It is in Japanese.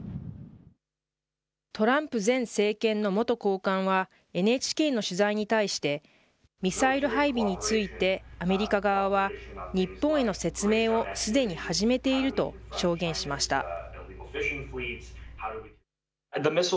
トランプ前政権の元高官はＮＨＫの取材に対して、ミサイル配備について、アメリカ側は日本への説明をすでに始めていると証言しました。